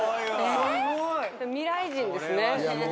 未来人ですね。